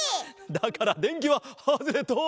だからでんきはハズレット！